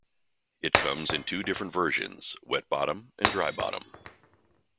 It comes in two different versions: wet bottom and dry bottom.